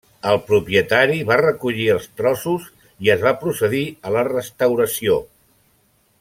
El propietari va recollir els trossos i es va procedir a la restauració.